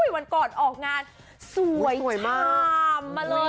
วันก่อนออกงานสวยมากมาเลย